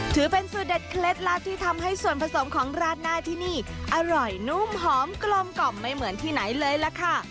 ถือเป็นสูตรเด็ดเคล็ดลับที่ทำให้ส่วนผสมของราดหน้าที่นี่อร่อยนุ่มหอมกลมกล่อมไม่เหมือนที่ไหนเลยล่ะค่ะ